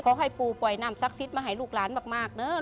เพราะให้ปู่ป่วยน้ำซักซิทมาให้ลูกหลานมากเนอะ